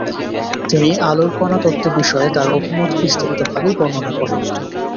তিনি আলোর কণা তত্ত্ব বিষয়ে তার অভিমত বিস্তারিতভাবে বর্ণনা করেন।